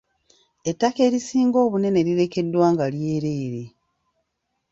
Ettaka erisinga obunene lirekeddwa nga lyereere.